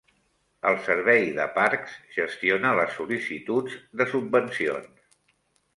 El Servei de Parcs gestiona les sol·licituds de subvencions.